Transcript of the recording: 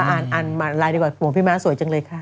อ่านมาไลน์ดีกว่าห่วงพี่ม้าสวยจังเลยค่ะ